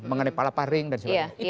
mengenai palaparing dan sebagainya